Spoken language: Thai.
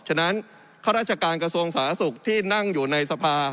ฉะนั้นข้าราชการกระทรวงสาธารณสุขที่นั่งอยู่ในสภา